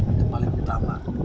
itu paling pertama